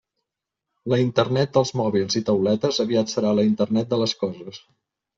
La Internet dels mòbils i tauletes aviat serà la Internet de les coses.